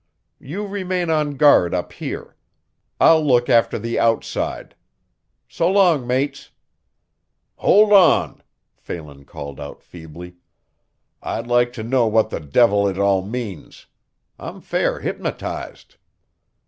You remain on guard up here. I'll look after the outside. So long, mates." "Hold on," Phelan called out feebly. "I'd like to know what the divvil it all means. I'm fair hypnotized."